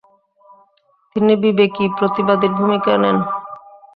তিনি বিবেকী প্রতিবাদীর ভূমিকা নেন।